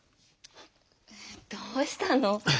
えどうしたの？